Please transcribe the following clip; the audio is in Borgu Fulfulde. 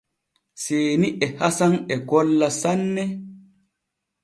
Seeni e Hasan e golla sanne.